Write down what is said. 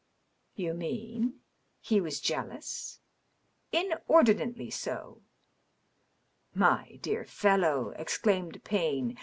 " You mean — he was jealous f^ " Inordinately so." '^ My dear fellow !" exclaimed Payne.